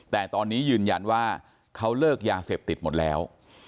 แต่ตอนนี้ยืนยันว่าเขาเลิกยาเสพติดหมดแล้ว